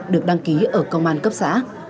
được đăng ký ở công an cấp xã